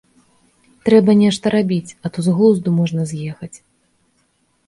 Трэба нешта рабіць, а то з глузду можна з'ехаць.